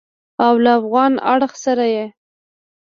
او له افغان اړخ سره یې